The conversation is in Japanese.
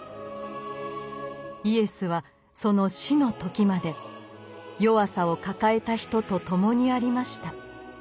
イエスはその死の時まで弱さを抱えた人と共にありました。